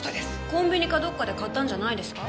コンビニかどっかで買ったんじゃないですか？